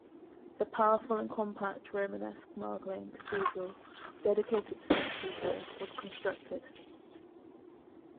The powerful and compact Romanesque Maguelone Cathedral, dedicated to Saint Peter, was constructed.